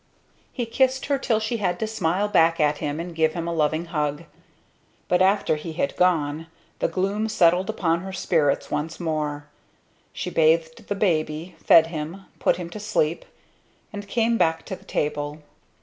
He kissed her till she had to smile back at him and give him a loving hug; but after he had gone, the gloom settled upon her spirits once more. She bathed the baby, fed him, put him to sleep; and came back to the table.